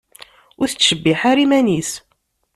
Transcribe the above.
Ur tettcebbiḥ ara iman-is.